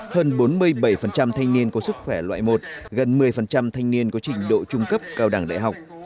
hơn bốn mươi bảy thanh niên có sức khỏe loại một gần một mươi thanh niên có trình độ trung cấp cao đẳng đại học